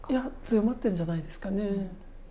強まってるんじゃないですかね。